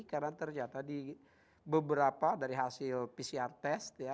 karena terjata di beberapa dari hasil pcr test ya